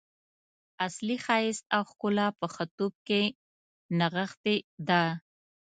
اصلي ښایست او ښکلا په ښه توب کې نغښتې ده.